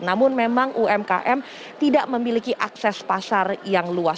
namun memang umkm tidak memiliki akses pasar yang luas